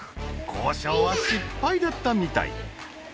交渉は失敗だったみたい。